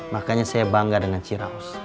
makanya saya bangga dengan ciraus